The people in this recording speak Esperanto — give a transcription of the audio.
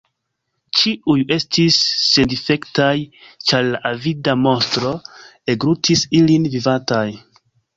Ĉiuj estis sendifektaj, ĉar la avida monstro englutis ilin vivantaj.